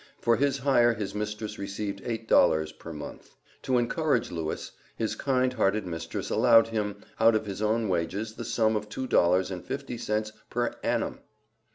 For his hire his mistress received eight dollars per month. To encourage Lewis, his kind hearted mistress allowed him out of his own wages the sum of two dollars and fifty cents per annum!